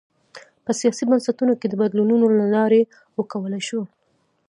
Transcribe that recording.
په سیاسي بنسټونو کې د بدلونونو له لارې وکولای شول.